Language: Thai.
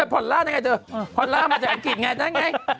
ผ่อนล่าได้ไงเธอพอลล่ามาจากอังกฤษไงนั่นไง